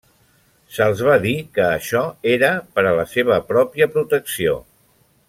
Se'ls va dir que això era per a la seva pròpia protecció.